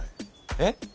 えっ？